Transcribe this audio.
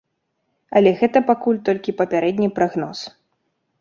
Але гэта пакуль толькі папярэдні прагноз.